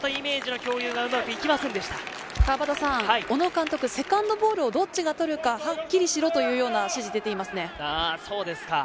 小野監督、セカンドボールをどっちが取るか、はっきりしろというような指示が出ています。